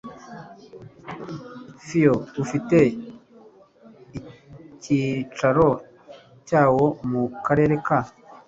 fiyo ufite icyicaro cyawo mu karere ka